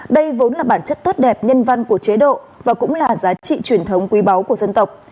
đây vốn là bản chất tốt đẹp nhân văn của chế độ và cũng là giá trị truyền thống quý báu của dân tộc